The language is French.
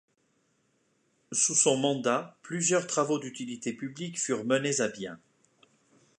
Sous son mandat, plusieurs travaux d’utilité publique furent menés à bien.